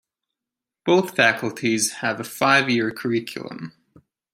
Both faculties have a five-year curriculum.